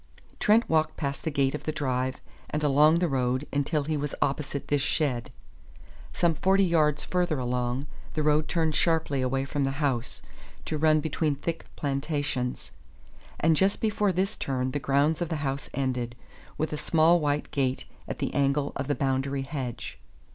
Trent walked past the gate of the drive and along the road until he was opposite this shed. Some forty yards further along, the road turned sharply away from the house, to run between thick plantations; and just before this turn the grounds of the house ended, with a small white gate at the angle of the boundary hedge.